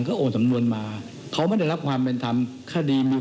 ก็โอนสำนวนมาเขาไม่ได้รับความเป็นธรรมคดีมา